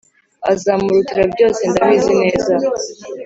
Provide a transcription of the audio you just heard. azamurutira byose ndabizi neza